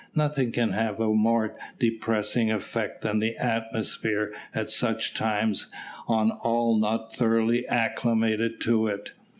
Nothing can have a more depressing effect than the atmosphere at such times on all not thoroughly acclimated to it.